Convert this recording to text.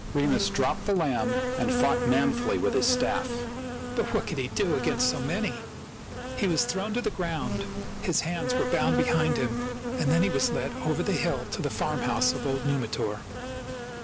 Remus dropped the lamb and fought manfully with his staff. But what could he do against so many ? He was thrown to the ground ; his hands were bound behind him ; and then he was led over the hill to the farmhouse of old Numitor.